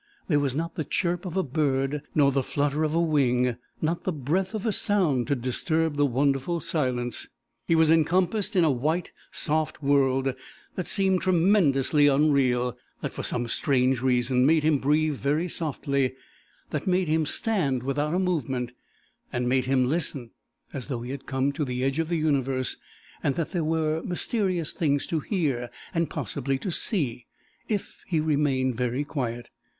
There was not the chirp of a bird nor the flutter of a wing not the breath of a sound to disturb the wonderful silence. He was encompassed in a white, soft world that seemed tremendously unreal that for some strange reason made him breathe very softly, that made him stand without a movement, and made him listen, as though he had come to the edge of the universe and that there were mysterious things to hear, and possibly to see, if he remained very quiet.